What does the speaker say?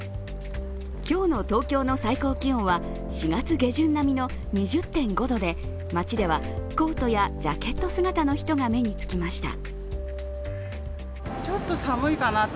今日の東京の最高気温は４月下旬並みの２０．５度で、街では、コートやジャケット姿の人が目につきました。